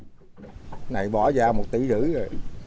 cái này bỏ ra một tỷ rưỡi rồi